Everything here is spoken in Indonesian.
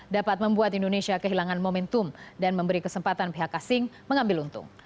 dapat membuat indonesia kehilangan momentum dan memberi kesempatan pihak asing mengambil untung